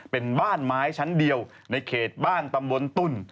เป็นบ้านไม้ชั้นเดียวในเขตบ้านตำบลตุ้น